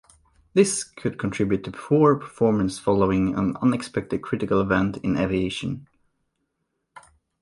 This could contribute to poor performance following an unexpected critical event in aviation.